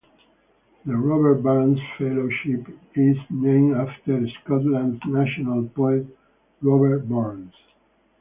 The Robert Burns Fellowship is named after Scotland's national poet Robert Burns.